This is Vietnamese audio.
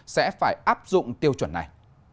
sẽ phải áp dụng tiêu chuẩn này